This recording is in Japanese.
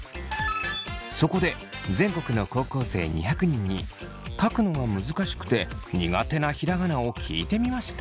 そこで全国の高校生２００人に書くのが難しくて苦手なひらがなを聞いてみました。